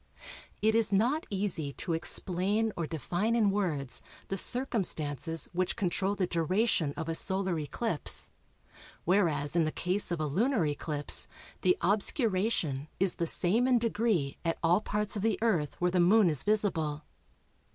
It is not easy to explain or define in words the circumstances which control the duration of a Solar eclipse, whereas in the case of a lunar eclipse the obscuration is the same in degree at all parts of the Earth where the Moon is visible.